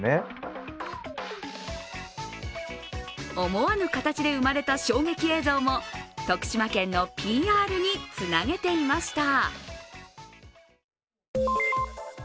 思わぬ形で生まれた衝撃映像も徳島県のＰＲにつなげていました。